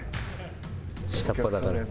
下っ端だから。